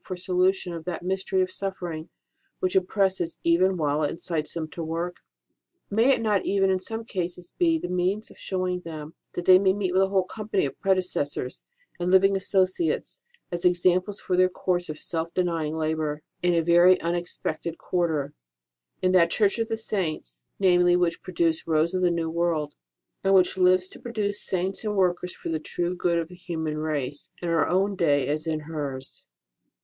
ROSE OF LIMA solution of that mystery of suffering which oppresses even while it incites them to work ? May it not even in some cases be the means of showing them that they may meet with a whole company of predecessors and living associates, as examples for their course of self denying labour, in a very unexpected quarter: in that Church of the Saints, namely, which produced this Rose of the New World ; and which lives, to produce Saints and workers for the true good of the human race, in our own day as in hers